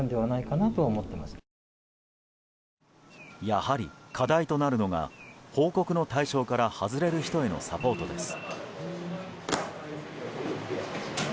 やはり課題となるのが報告の対象から外れる人へのサポートです。